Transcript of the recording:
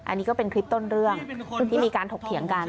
อันนี้ก็เป็นคลิปต้นเรื่องที่มีการถกเถียงกัน